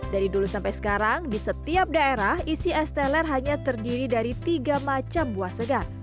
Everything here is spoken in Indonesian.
dari dulu sampai sekarang di setiap daerah isi es teler hanya terdiri dari tiga macam buah segar